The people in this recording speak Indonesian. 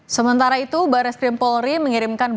sementara itu barreskrim polri mengirimkan bantuan